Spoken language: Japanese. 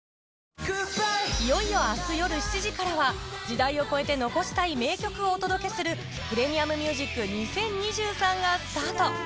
いよいよ明日夜７時からは時代を超えて残したい名曲をお届けする『ＰｒｅｍｉｕｍＭｕｓｉｃ２０２３』がスタート